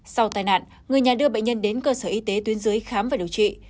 sau tai nạn người nhà đưa bệnh nhân đến cơ sở y tế tuyến dưới khám và điều trị